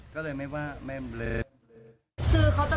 คือเขาตะโกนคุยกับเพื่อนเขาอ่ะ